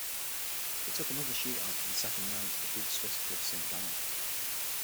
It took another shoot-out in the second round to defeat Swiss club Saint Gallen.